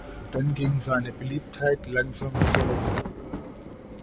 Dann ging seine Beliebtheit langsam zurück.